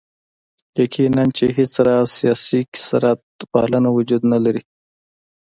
یقیناً چې هېڅ راز سیاسي کثرت پالنه وجود نه لري.